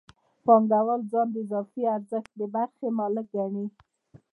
پانګوال ځان د اضافي ارزښت د برخې مالک ګڼي